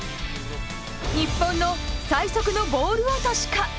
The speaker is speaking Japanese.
日本の最速のボール落としか？